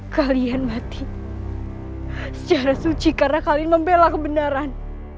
kalian mati secara suci karena kalian membela kebenaran